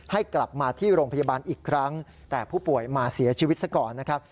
ให้กลับมาที่โรงพยาบาลอีกครั้งแต่ผู้ป่วยมาเสียชีวิตซะก่อนนะครับ